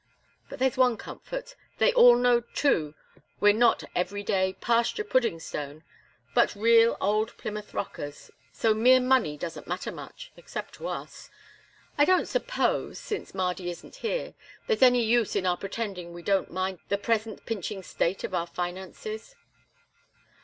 But there's one comfort; they all know, too, we're not every day, pasture pudding stone, but real old Plymouth Rockers, so mere money doesn't matter much except to us. I don't suppose since Mardy isn't here there's any use in our pretending we don't mind the present pinching state of our finances."